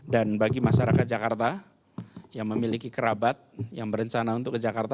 dan bagi masyarakat jakarta yang memiliki kerabat yang berencana untuk ke jakarta